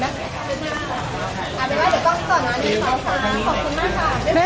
เชิญวันนี้จุดสะวันต่อมา